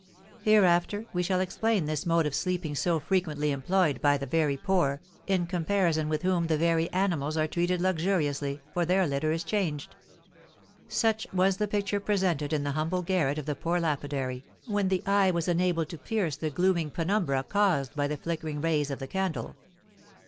Hereafter we shall explain this mode of sleeping so frequently employed by the very poor, in comparison with whom the very animals are treated luxuriously, for their litter is changed. Such was the picture presented in the humble garret of the poor lapidary, when the eye was enabled to pierce the gloomy penumbra caused by the flickering rays of the candle.